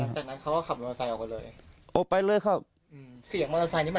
หลังจากนั้นเขาก็ขับมอเตอร์ไซน์ไปเลย